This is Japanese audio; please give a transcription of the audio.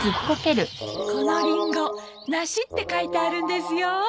このリンゴ「梨」って書いてあるんですよ。